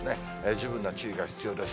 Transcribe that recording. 十分な注意が必要です。